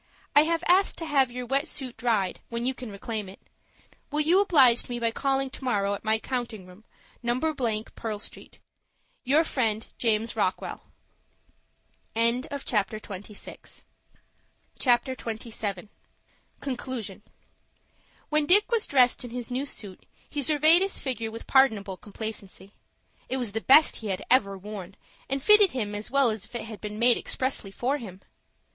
I have asked to have your wet suit dried, when you can reclaim it. Will you oblige me by calling to morrow at my counting room, No. —, Pearl Street. "Your friend, "JAMES ROCKWELL." CHAPTER XXVII. CONCLUSION When Dick was dressed in his new suit, he surveyed his figure with pardonable complacency. It was the best he had ever worn, and fitted him as well as if it had been made expressly for him.